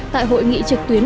tại hội nghị trực tuyến